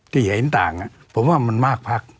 ที่เห็นต่างผมว่ามันมากพัก